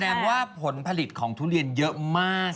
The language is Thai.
แสดงว่าผลผลิตของทุเรียนเยอะมาก